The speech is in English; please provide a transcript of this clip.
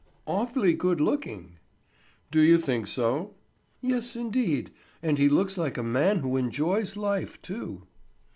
"Awfully good looking." "Do you think so?" "Yes, indeed; and he looks like a man who enjoys life, too."